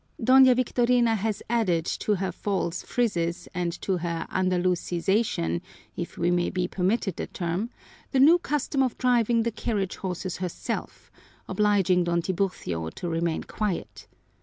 Doña Victorina has added to her false frizzes and to her Andalusization, if we may be permitted the term, the new custom of driving the carriage horses herself, obliging Don Tiburcio to remain quiet.